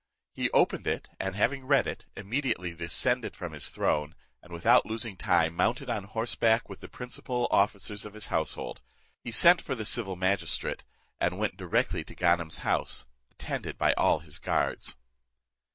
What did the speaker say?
He opened it, and having read it, immediately descended from his throne, and without losing time, mounted on horseback with the principal officers of his household. He sent for the civil magistrate; and went directly to Ganem's house, attended by all his guards.